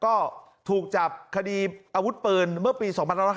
ก็ถูกจับคดีอาวุธปืนเมื่อปี๒๕๕๙